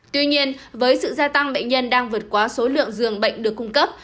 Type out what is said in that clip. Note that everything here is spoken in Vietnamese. tuy nhiên với sự gia tăng bệnh nhân đang vượt qua số lượng dường bệnh được cung cấp